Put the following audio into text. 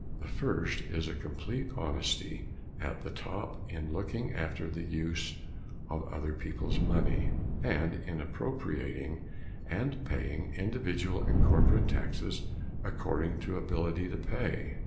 The first is a complete honesty at the top in looking after the use of other people's money, and in apportioning and paying individual and corporate taxes according to ability to pay.